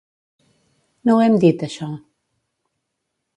No ho hem dit, això.